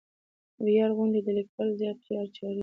ویاړ غونډې د لیکوالو د زیار په پار جوړېږي.